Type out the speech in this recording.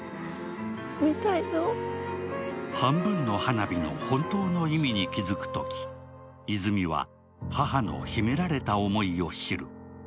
半分の花火の本当の意味に気づくとき、泉は母の秘められた思いを知る。